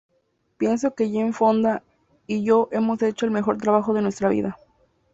Pienso que Jane Fonda y yo hemos hecho el mejor trabajo de nuestra vida.